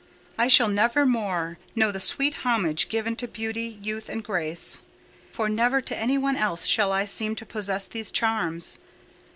I shall never more know the sweet homage given to beauty, youth, and grace—for never to any one else shall I seem to possess these charms.